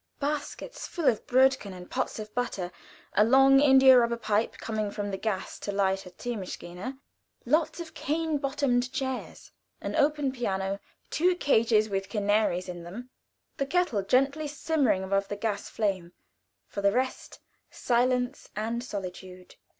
Baskets full of Brödchen and pots of butter, a long India rubber pipe coming from the gas to light a theemaschine lots of cane bottomed chairs, an open piano, two cages with canaries in them; the kettle gently simmering above the gas flame; for the rest, silence and solitude.